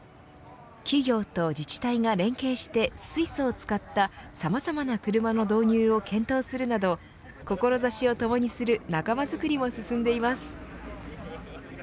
企業と自治体が連携して水素を使ったさまざまな車の導入を検討するなど志を共にする仲間づくりも進んでいます。